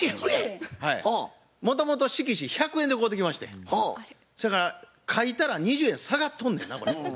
もともと色紙１００円で買うてきましてそやから書いたら２０円下がっとんのやなこれ。